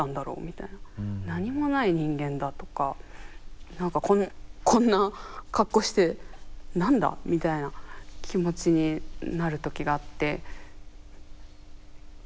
何もない人間だとか何かこんな格好して何だ？みたいな気持ちになる時があって。